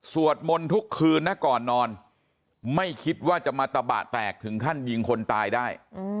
มนต์ทุกคืนนะก่อนนอนไม่คิดว่าจะมาตะบะแตกถึงขั้นยิงคนตายได้